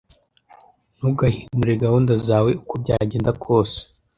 Ntugahindure gahunda zawe, uko byagenda kose.